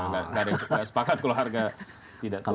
nggak ada yang sepakat kalau harga tidak turun